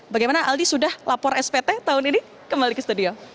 bagaimana aldi sudah lapor spt tahun ini kembali ke studio